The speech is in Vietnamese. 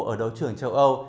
ở đấu trường châu âu